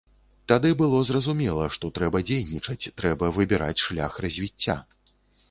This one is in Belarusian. Тады было зразумела, што трэба дзейнічаць, трэба выбіраць шлях развіцця.